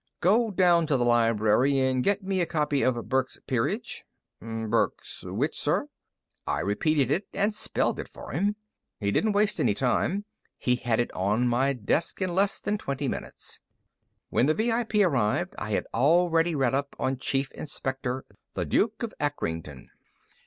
"Go down to the library and get me a copy of Burke's 'Peerage.'" "Burke's which, sir?" I repeated it and spelled it for him. He didn't waste any time; he had it on my desk in less than twenty minutes. When the VIP arrived, I had already read up on Chief Inspector, The Duke of Acrington.